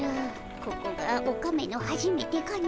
ここがオカメのはじめてかの。